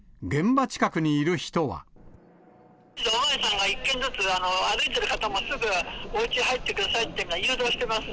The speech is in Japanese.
お巡りさんが一軒ずつ、歩いてる方もすぐ、おうち入ってくださいって、誘導してます。